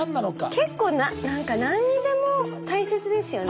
結構何か何にでも大切ですよね。